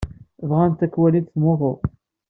Bɣant ad k-walint temmuteḍ.